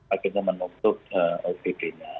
akhirnya menutup opd nya